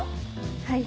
はい。